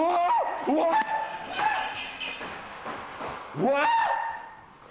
うわっ！